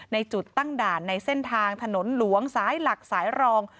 ในจุดตั้งด่านในเส้นทางถนนหลวงสายหลักสายรอง